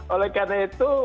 oleh karena itu